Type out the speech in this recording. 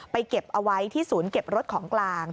เก็บเอาไว้ที่ศูนย์เก็บรถของกลาง